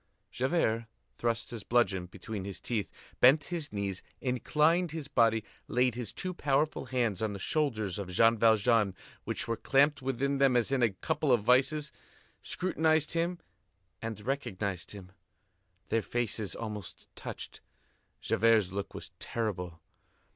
Javert thrust his bludgeon between his teeth, bent his knees, inclined his body, laid his two powerful hands on the shoulders of Jean Valjean, which were clamped within them as in a couple of vices, scrutinized him, and recognized him. Their faces almost touched. Javert's look was terrible.